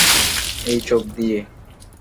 এই চোখ দিয়ে!